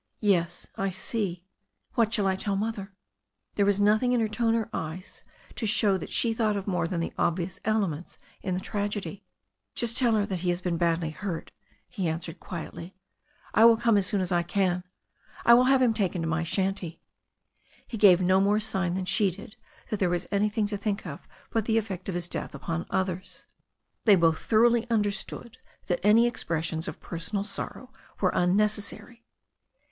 "Yes, I see. What shall I tell Mother?" There was nothing in her tone or her eyes to show that she thought of more than the obvious elements in the tragedy. "Just tell her he has been badly hurt," he answered quietly. "I will come as soon as I can. I will have him taken to my shanty." He gave no more sign than she did that there was anything to think of but the effect of his death upon others. They both thoroughly understood that any expressions of personal sorrow were unnecessary.